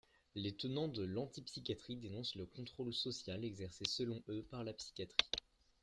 Les tenants de l'antipsychiatrie dénoncent le contrôle social exercé selon eux par la psychiatrie.